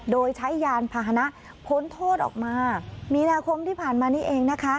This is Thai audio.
โดยใช้ยานพาหนะพ้นโทษออกมามีนาคมที่ผ่านมานี้เองนะคะ